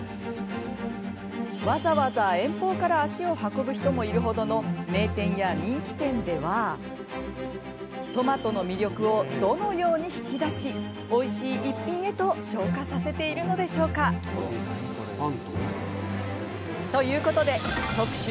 わざわざ遠方から足を運ぶ人もいる程の名店や人気店ではトマトの魅力をどのように引き出しおいしい逸品へと昇華させているのでしょうか。ということで特集